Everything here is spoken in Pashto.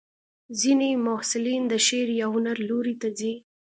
ځینې محصلین د شعر یا هنر لوري ته ځي.